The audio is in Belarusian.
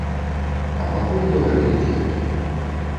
А пакуль гаварылі дзеткі.